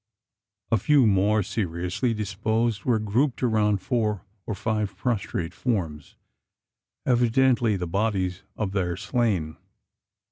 A few more seriously disposed were grouped around four or five prostrate forms evidently the bodies of their slain.